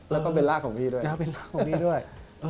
แล้วก็เวลล่าของพี่ด้วย